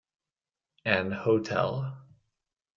An hotel.